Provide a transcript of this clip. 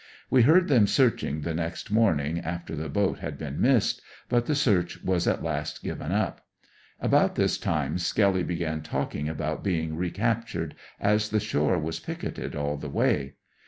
We heard them searching the next morning, after the boat had been missed, but the search was at last given up. About this time Skelly began talking about being recaptured, as the shore was picketed all the way.